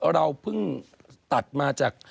เราเพิ่งตัดมาจาก